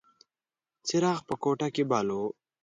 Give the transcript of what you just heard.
څراغ په کوټه کې بل و.